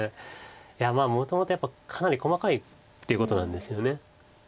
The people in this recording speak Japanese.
いやもともとやっぱりかなり細かいっていうことなんですよね。